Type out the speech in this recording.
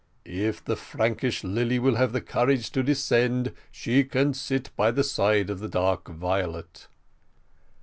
"If the Frankish lily will have courage to descend, she can sit by the side of the dark violet."